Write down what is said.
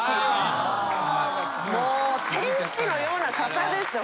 もう天使のような方ですよ。